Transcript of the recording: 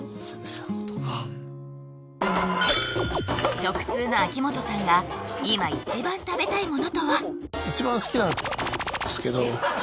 そういうことかうん食通の秋元さんが今一番食べたいものとは？